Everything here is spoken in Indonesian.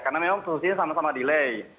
karena memang posisi sama sama delay